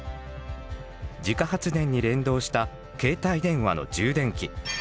自家発電に連動した携帯電話の充電器。